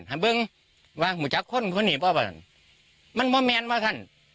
ถ้าเบิ้งว่ามุจจักรคนของพวกนี้เปล่ามันมัวแมนว่ะท่าน